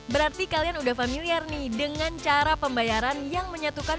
berarti kalian udah familiar nih dengan cara pembayaran yang menyatukan